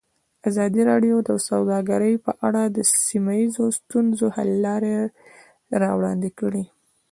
ازادي راډیو د سوداګري په اړه د سیمه ییزو ستونزو حل لارې راوړاندې کړې.